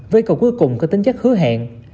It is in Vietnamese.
với cầu cuối cùng có tính chất hứa hẹn